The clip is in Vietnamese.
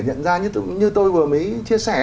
nhận ra như tôi vừa mới chia sẻ